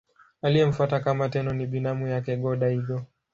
Aliyemfuata kama Tenno ni binamu yake Go-Daigo.